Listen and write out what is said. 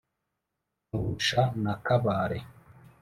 Nkurusha na Kabare,